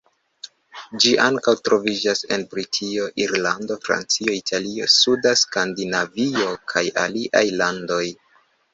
Ĝi ankaŭ troviĝas en Britio, Irlando, Francio, Italio, suda Skandinavio, kaj aliaj landoj.